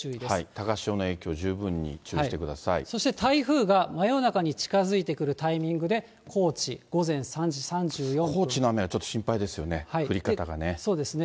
高潮の影響、そして台風が真夜中に近づいてくるタイミングで、高知、高知の雨はちょっと心配ですそうですね、